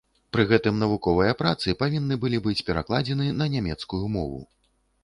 Пры гэтым навуковыя працы павінны былі быць перакладзены на нямецкую мову.